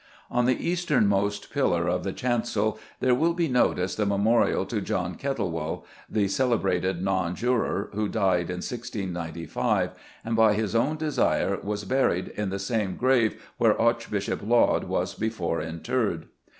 On the easternmost pillar of the chancel there will be noticed the memorial to John Kettlewell, the celebrated Non juror, who died in 1695, and, by his own desire, was buried "in the same grave where Archbishop Laud was before interred."